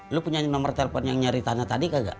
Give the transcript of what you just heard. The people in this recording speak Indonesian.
lo punya nomer telepon yang nyari tanah tadi kagak